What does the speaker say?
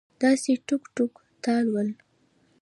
داسې ټوک ټوک تال ول